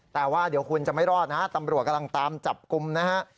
แต่ว่าเดี๋ยวคุณจะไม่รอดนะฮะตำรวจกำลังตามจับกลุ่มนะฮะ